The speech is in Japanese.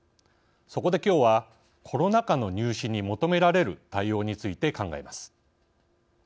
そこできょうはコロナ禍の入試に求められる対応について考えます。